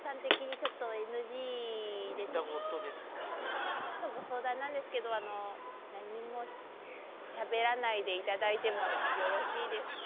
ちょっとご相談なんですけど何もしゃべらないで頂いてもよろしいですか？